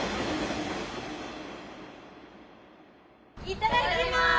いただきまーす！